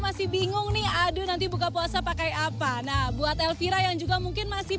masih bingung nih aduh nanti buka puasa pakai apa nah buat elvira yang juga mungkin masih